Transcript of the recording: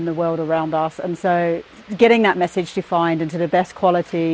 ini tentang apa yang kita katakan kepada orang dan dunia di sekitar kita